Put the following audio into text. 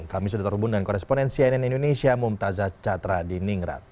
kami sudah terhubung dengan koresponen cnn indonesia mumtazah catra di ningrat